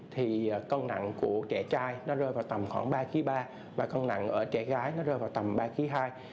thì cân nặng của trẻ trai nó rơi vào tầm khoảng ba ba kg và cân nặng ở trẻ gái nó rơi vào tầm ba hai kg